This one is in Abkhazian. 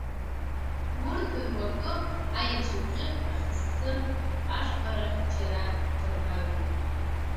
Урҭ руакы аиаҵәабӷьы ахьыссы, ашәпарахь џьара иҭагәаҩоуп.